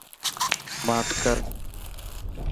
ماٺ ڪر.